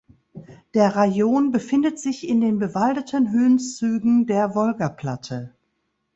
Der Rajon befindet sich in den bewaldeten Höhenzügen der Wolgaplatte.